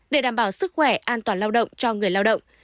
để đảm bảo sức khỏe an toàn lao động cho người lao động